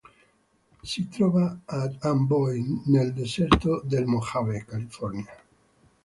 Si trova ad Amboy, nel deserto del Mojave, California.